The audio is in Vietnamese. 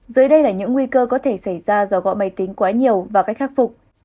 dưới đây là những nguy cơ có thể xảy ra do gõ máy tính quá nhiều vào cách khắc phục